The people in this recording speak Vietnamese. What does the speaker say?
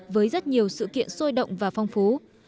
với rất nhiều sự kiện sôi động và phong phú